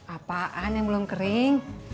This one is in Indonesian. apaan yang belum kering